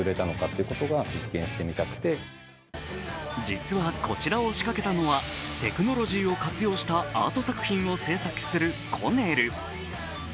実はこちらを仕掛けたのはテクノロジーを活用したアート作品を制作するコネル。